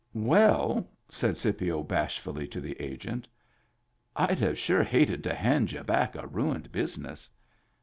"Well," said Scipio bashfully to the Agent. " I'd have sure hated to hand y'u back a ruined business.